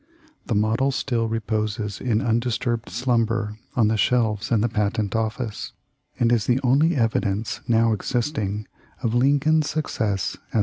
The model still reposes in undisturbed slumber on the shelves in the Patent Office, and is the only evidence now existing of Lincoln's success as an inventor.